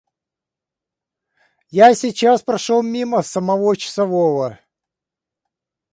Я сейчас прошел мимо самого часового.